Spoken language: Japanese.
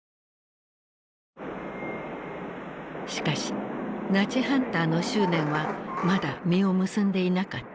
しかしナチハンターの執念はまだ実を結んでいなかった。